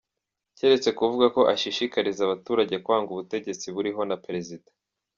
Keretse kuvuga ko ashishikariza abaturage kwanga ubutegetsi buriho na perezida.